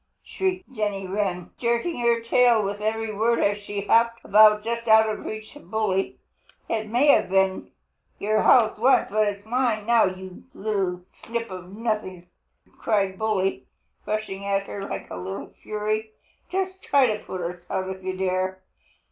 shrieked Jenny Wren, jerking her tail with every word as she hopped about just out of reach of Bully. "It may have been your house once, but it is mine now, you little snip of nothing!" cried Bully, rushing at her like a little fury. "Just try to put us out if you dare!